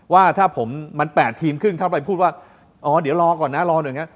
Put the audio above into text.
ว่าถ้าผมมัน๘ทีมครึ่งถ้าไปพูดว่าอ๋อเดี๋ยวรอก่อนนะรอหน่อยอย่างนี้